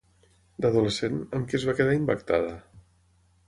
D'adolescent, amb què es va quedar impactada?